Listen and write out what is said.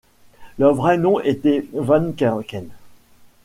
Leur vrai nom était van Kerken.